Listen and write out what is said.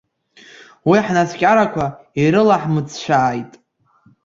Уи ҳнацәкьарақәа ирылаҳмыцәцәааит.